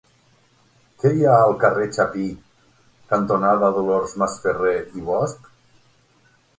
Què hi ha al carrer Chapí cantonada Dolors Masferrer i Bosch?